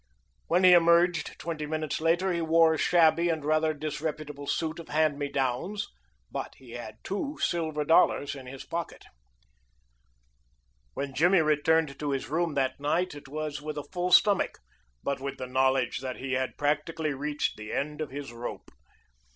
When he emerged twenty minutes later he wore a shabby and rather disreputable suit of hand me downs, but he had two silver dollars in his pocket. When Jimmy returned to his room that night it was with a full stomach, but with the knowledge that he had practically reached the end of his rope.